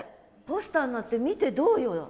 ポスターなって見てどうよ？